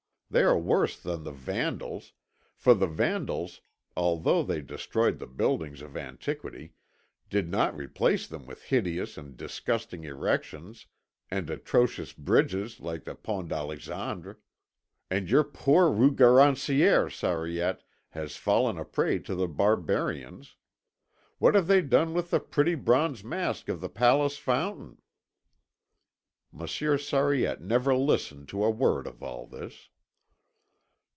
They are worse than the Vandals, for the Vandals, although they destroyed the buildings of antiquity, did not replace them with hideous and disgusting erections and atrocious bridges like the Pont d'Alexandre. And your poor Rue Garancière, Sariette, has fallen a prey to the barbarians. What have they done with the pretty bronze mask of the Palace fountain?" Monsieur Sariette never listened to a word of all this.